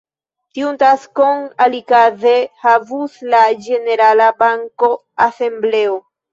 Tiun taskon alikaze havus la ĝenerala banka asembleo.